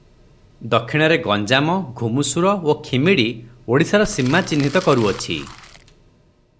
ଦକ୍ଷିଣରେ ଗଞ୍ଜାମ, ଘୁମୁଷର ଓ ଖିମିଡ଼ୀ ଓଡ଼ିଶାର ସୀମା ଚିହ୍ନିତ କରୁଅଛି ।